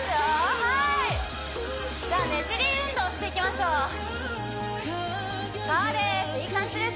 はいじゃあねじり運動していきましょうそうです